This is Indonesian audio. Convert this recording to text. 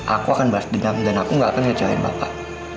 aku akan bahas dendam dan aku gak akan ngecewain bapak